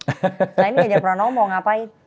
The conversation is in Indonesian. setelah ini ganjar pernah ngomong ngapain